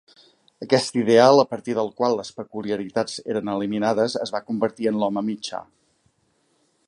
Aquest ideal a partir del qual les peculiaritats eren eliminades es va convertir en "l'home mitjà".